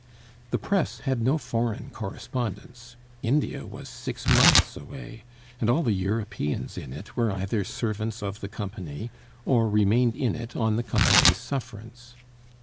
The press had no foreign correspondence; India was six months away, and all the Europeans in it were either servants of the Company, or remained in it on the Company's sufferance.